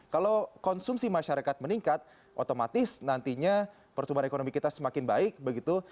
kalau konsumsi masyarakat meningkat otomatis nantinya pertumbuhan ekonomi kita semakin baik begitu